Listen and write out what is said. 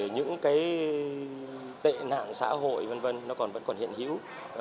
những vấn đề của cuộc sống hôm nay những cái tệ nạn xã hội v v nó vẫn còn hiện hữu